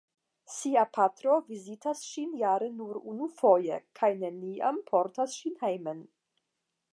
Sia patro vizitas ŝin jare nur unufoje, kaj neniam portas ŝin hejmen.